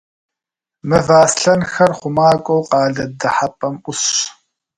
Мывэ аслъэнхэр хъумакӏуэу къалэ дыхьэпӏэм ӏусщ.